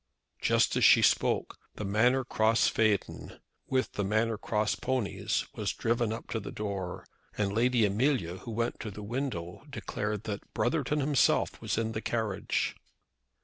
Just as she spoke the Manor Cross phaeton, with the Manor Cross ponies, was driven up to the door, and Lady Amelia, who went to the window, declared that Brotherton himself was in the carriage.